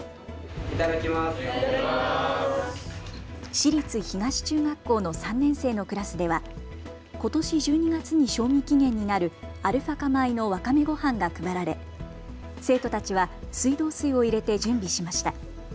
市立東中学校の３年生のクラスではことし１２月に賞味期限になるアルファ化米のわかめごはんが配られ生徒たちは水道水を入れて準備しました。